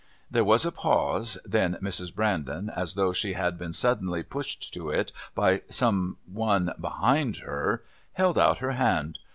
There was a pause, then Mrs. Brandon, as though she had been suddenly pushed to it by some one behind her, held out her hand....